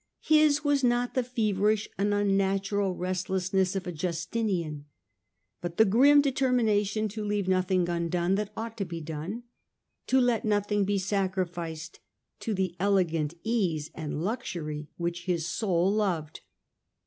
His was not the feverish and unnatural restlessness of a Justinian but the grim determination to leave noth ing undone that ought to be done, to let nothing be sacrificed to the elegant ease and luxury which his soul loved.